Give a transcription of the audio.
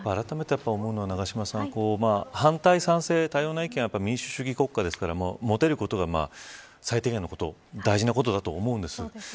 あらためて思うのは、永島さん反対賛成、多様な意見民主主義国家ですから持てることが最低限のこと大事なことだと思うんです。